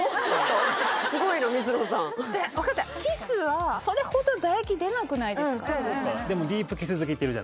すごいな水野さん分かったキスはそれほど唾液出なくないですか